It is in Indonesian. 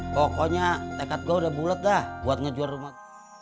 pokoknya tekad gue udah bulet dah buat ngejual rumah